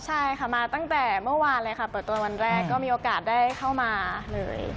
ใช่ค่ะมาตั้งแต่เมื่อวานเลยค่ะเปิดตัววันแรกก็มีโอกาสได้เข้ามาเลย